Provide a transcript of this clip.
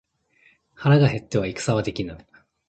腹が減っては戦はできぬ。